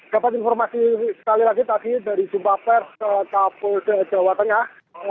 dapat informasi sekali lagi tadi dari jum'a pers kabupaten jawa tengah